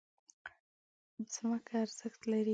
ځمکه ارزښت لري.